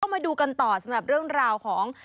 มาดูกันต่อสำหรับเรื่องราวของ